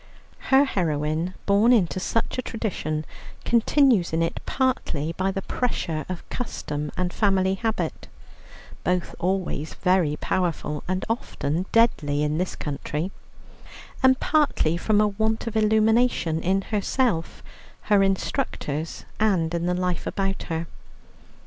Her heroine, born into such a tradition, continues in it, partly by the pressure of custom and family habit, both always very powerful and often deadly in this country, and partly from a want of illumination in herself, her instructors, and in the life about her.